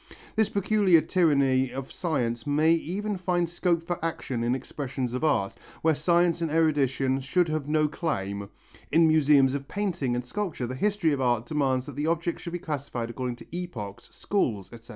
This peculiar tyranny of science may even find scope for action in expressions of art, where science and erudition should have no claim. In museums of painting and sculpture the history of art demands that the objects should be classified according to epochs, schools, etc.